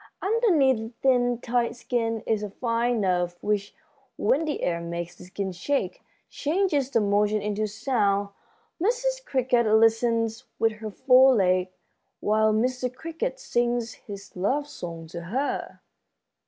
"Underneath the thin, tight skin is a fine nerve which, when the air makes the skin shake, changes the motion into sound. Mrs. Cricket listens with her fore leg while Mr. Cricket sings his love song to her."